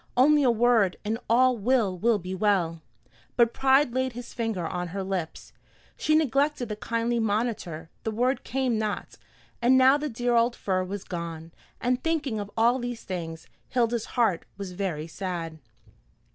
only a word, and all will be well." But pride laid his finger on her lips. She neglected the kindly monitor, the word came not, and now the dear old fir was gone; and thinking of all these things, Hilda's heart was very sad.